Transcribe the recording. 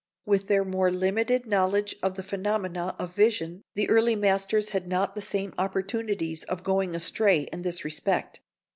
With their more limited knowledge of the phenomena of vision, the early masters had not the same opportunities of going astray in this respect.